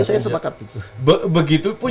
nah itu saya sepakat gitu begitu pun